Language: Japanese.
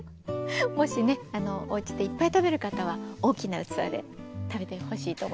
もしねおうちでいっぱい食べる方は大きな器で食べてほしいと思います。